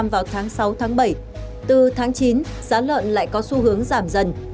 vào tháng sáu bảy từ tháng chín giá lợn lại có xu hướng giảm dần